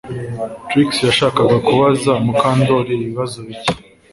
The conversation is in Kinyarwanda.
Trix yashakaga kubaza Mukandoli ibibazo bike